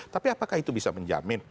tapi apakah itu bisa menjamin